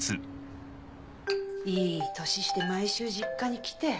いい年して毎週実家に来て。